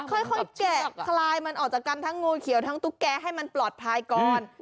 ค่อยแกะคลายมันออกจากกันทั้งงูเขียวทั้งตุ๊กแกให้มันปลอดภัยก่อน